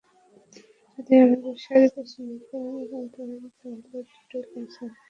তিনি যদি আমাদের শাড়ি পছন্দ করেন এবং পরেন, তাহলে দুটো কাজই হবে।